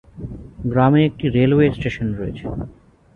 গ্রামে একটি railway station রয়েছে।